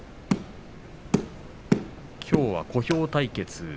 きょうは小兵対決。